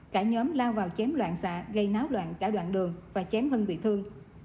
cả nhóm lao vào chém loạn xạ gây náo loạn cả đoạn đường và chém hưng bị thương